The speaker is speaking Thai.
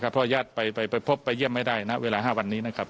เพราะญาติไปพบไปเยี่ยมไม่ได้ณเวลา๕วันนี้นะครับ